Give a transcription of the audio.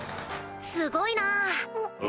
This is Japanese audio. すごいな！